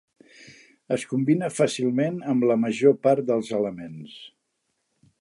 Es combina fàcilment amb la major part dels elements.